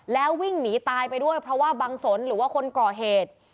แล้ววิ่งหนีตายไปด้วยเพราะว่าบังสนหรือว่าคนก่อเหตุ